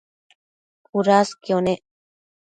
cudasquio nec